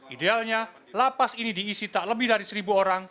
idealnya lapas ini diisi tak lebih dari seribu orang